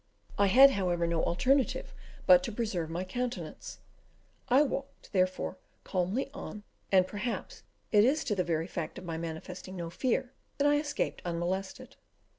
I had, however, no alternative but to preserve my countenance; I walked, therefore, calmly on, and perhaps it is to the very fact of my manifesting no fear that I escaped unmolested.